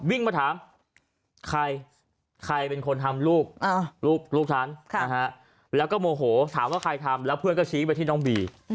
วิ่งมาถามใครใครเป็นคนทำลูกลูกฉันแล้วก็โมโหถามว่าใครทำแล้วเพื่อนก็ชี้ไปที่น้องบี